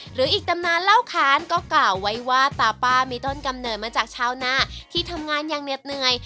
หรืออีกตำนานเล่าค้านก็กล่าวไว้ว่าตาป้ามีต้นกำเนิดมาจากชาวนาที่ทำงานอย่างเหน็ดเหนื่อย